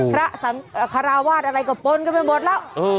พระสังฆาราวาสอะไรก็ปนกันไปหมดแล้ว